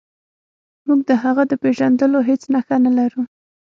موږ د هغه د پیژندلو هیڅ نښه نلرو.